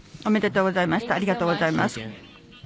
ありがとうございます。